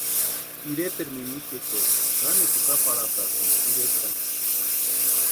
Ireteri mimixikwaecha kanekwa jukaparhatasïnti iretani.